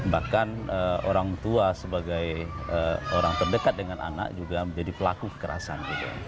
bahkan orang tua sebagai orang terdekat dengan anak juga menjadi pelaku kekerasan